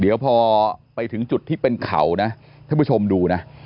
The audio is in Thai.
เดี๋ยวพอไปถึงจุดที่เป็นเขานะท่านผู้ชมดูนะ